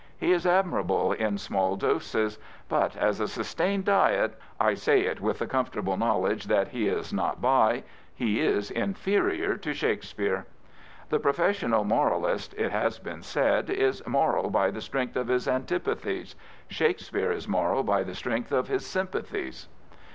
He is admirable in small doses; but as a sustained diet — I say it with the comfortable knowledge that he is not by — he is inferior to Shakespeare. " The profession^ moral ist,*' it has been said, " is moral by the strength of his antipathies; Shakespeare is moral by the strength of his sympathies."